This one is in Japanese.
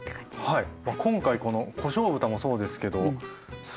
はい。